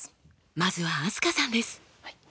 まずは飛鳥さんです。